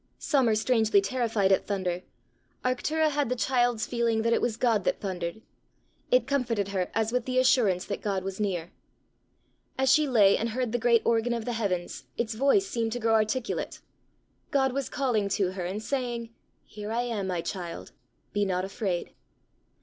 Some are strangely terrified at thunder; Arctura had the child's feeling that it was God that thundered: it comforted her as with the assurance that God was near. As she lay and heard the great organ of the heavens, its voice seemed to grow articulate; God was calling to her, and saying, "Here I am, my child! be not afraid!"